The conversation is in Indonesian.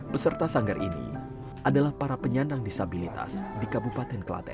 peserta sanggar ini adalah para penyandang disabilitas di kabupaten kelaten